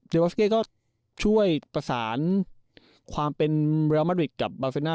วอสเก้ก็ช่วยประสานความเป็นเรียลมาริกกับบาเฟน่า